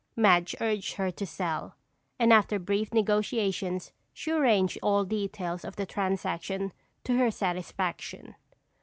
Madge urged her to sell, and after brief negotiations, she arranged all details of the transaction to her satisfaction.